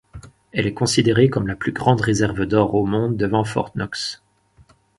Elle est considérée comme la plus grande réserve d'or au monde devant Fort Knox.